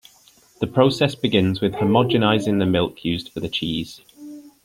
The process begins with homogenizing the milk used for the cheese.